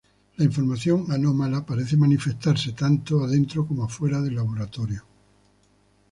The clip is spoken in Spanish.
La información anómala parece manifestarse tanto adentro como afuera del Laboratorio.